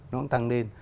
nó cũng tăng lên